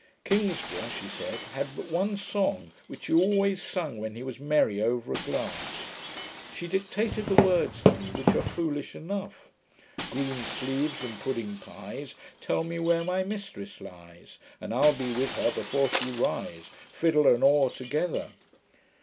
Kingsburgh, she said, had but one song, which he always sung when he was merry over a glass. She dictated the words to me, which are foolish enough: Green sleeves and pudding pies, Tell me where my mistress lies, And I'll be with her before the rise, Fiddle and aw' together.